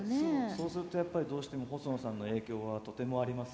そうするとやっぱりどうしても細野さんの影響はとてもあります